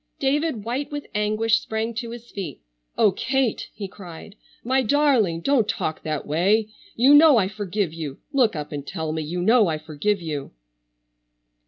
David white with anguish sprang to his feet. "Oh, Kate," he cried, "my darling! Don't talk that way. You know I forgive you. Look up and tell me you know I forgive you."